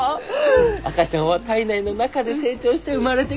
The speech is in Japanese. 赤ちゃんは胎内の中で成長して生まれてくる。